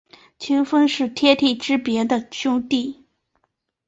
清风是天地之别的兄弟。